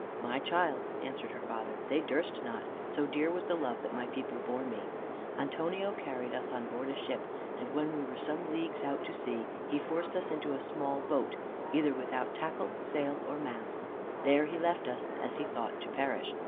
"My child," answered her father, "they durst not, so dear was the love that my people bore me. Antonio carried us on board a ship, and when we were some leagues out at sea, he forced us into a small boat, without either tackle, sail, or mast: there he left us, as he thought, to perish.